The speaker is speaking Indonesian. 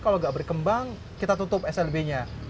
kalau gak berkembang kita tutup slb nya